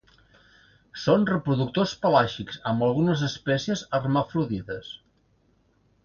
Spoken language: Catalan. Són reproductors pelàgics amb algunes espècies hermafrodites.